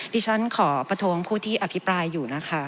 ที่ฉันขอประท้วงผู้ที่อภิปรายอยู่นะคะ